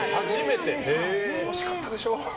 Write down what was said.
楽しかったでしょう？